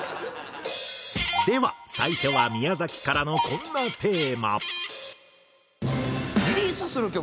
では最初は宮崎からのこんなテーマ。